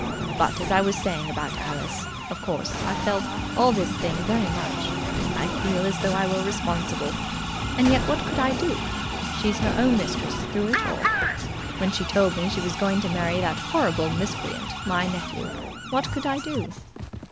But, as I was saying about Alice, of course I've felt all this thing very much. I feel as though I were responsible, and yet what could I do? She's her own mistress through it all. When she told me she was going to marry that horrible miscreant, my nephew, what could I do?"